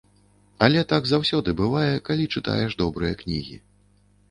Але так заўсёды бывае, калі чытаеш добрыя кнігі.